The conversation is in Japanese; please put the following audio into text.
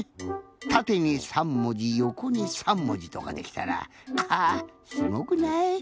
たてに３もじよこに３もじとかできたらかあすごくない？